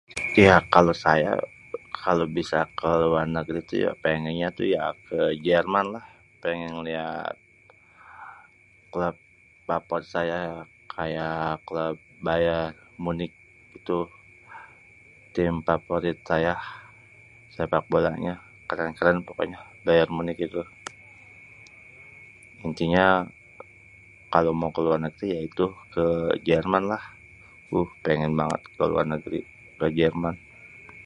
Ya kalo saya kalo bisa keluar negeri ya tuh ya pengennya tuh ke Jermanlah pengen liat club paporit saya ya kaya kleb bayer monik itu, tim paporit saya, sepak bolanya keren-keren pokonya, bayer monik itu, intinya kalo mau kelur negri ya ituh ke Jermanlah uh pengen banget ke luar negri, ke Jerman